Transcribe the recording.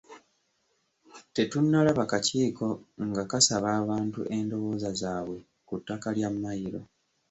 Tetunnalaba kakiiko nga kasaba abantu endowooza zaabwe ku ttaka lya Mmayiro.